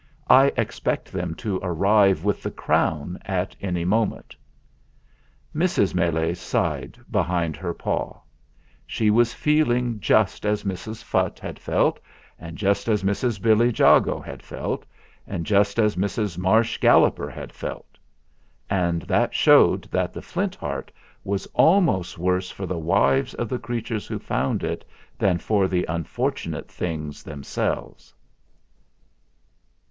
I expect them to arrive with the crown at any moment." Mrs. Meles sighed behind her paw. She was feeling just as Mrs. Phutt had felt, and just as Mrs. Billy Jago had felt, and just as Mrs. Marsh Galloper had felt. And that showed that the Flint Heart was almost worse for the wives of the creatures who found it than for the unfortunate things themselves.